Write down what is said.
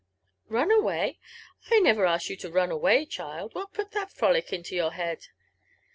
Run away! — I never asked you to run away, child. What put ihal frolic into your head?